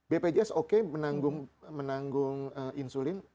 bpjs oke menanggung insulin